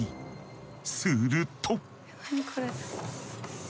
すると。